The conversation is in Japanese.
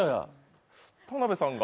田辺さんが？